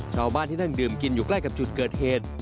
ชาวบ้านที่นั่งดื่มกินอยู่ใกล้กับจุดเกิดเหตุ